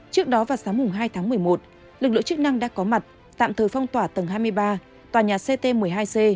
trước đó vào sáng hai tháng một mươi một lực lượng chức năng đã có mặt tạm thời phong tỏa tầng hai mươi ba tòa nhà ct một mươi hai c